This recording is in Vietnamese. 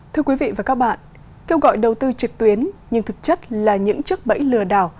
thưa quý vị và các bạn kêu gọi đầu tư trực tuyến nhưng thực chất là những chức bẫy lừa đảo